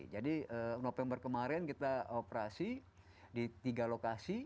jadi november kemarin kita operasi di tiga lokasi